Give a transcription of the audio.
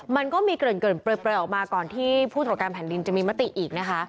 มันก็มีเกริ่นเปลยออกมาก่อนที่ผู้ตรวจการแผ่นดินจะมีมติอีกนะคะ